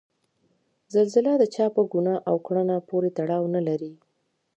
زلزله د چا په ګناه او کړنه پورې تړاو نلري.